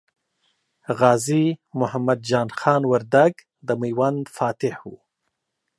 غازي محمد جان خان وردګ د میوند فاتح و.